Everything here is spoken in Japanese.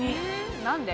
何で？